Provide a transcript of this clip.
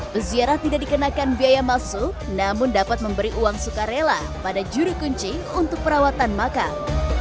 peziarah tidak dikenakan biaya masuk namun dapat memberi uang sukarela pada juri kunci untuk perawatan makam